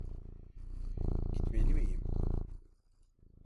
Gitmeli miyim?